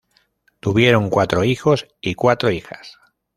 Tuvieron cuatro hijos y cuatro hijas.